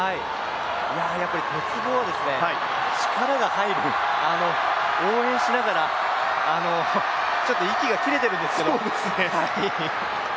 やっぱり鉄棒は力が入る、応援しながら、あの、ちょっと息が切れてるんですけど。